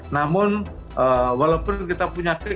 namun walaupun kita punya krim